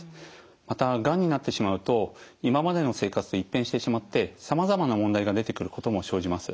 またがんになってしまうと今までの生活と一変してしまってさまざまな問題が出てくることも生じます。